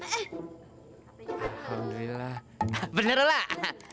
alhamdulillah bener lah